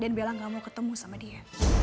dan bella gak mau ketemu sama dia